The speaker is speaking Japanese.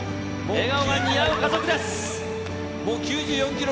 笑顔が似合う家族です。